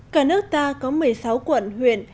cả nước ta có một mươi sáu quận huyện